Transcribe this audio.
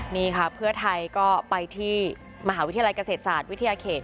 นี่ค่ะเพื่อไทยก็ไปที่มหาวิทยาลัยเกษตรศาสตร์วิทยาเขต